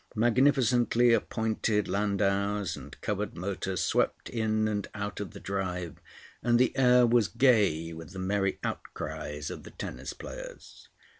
Magnificently appointed landaus and covered motors swept in and out of the drive, and the air was gay with the merry outcries of the tennis players.